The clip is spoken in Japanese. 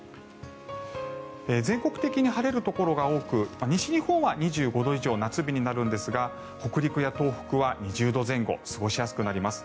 全国的に晴れるところが多く西日本は２５度以上夏日になるんですが北陸や東北は２０度前後過ごしやすくなります。